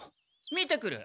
見てくる。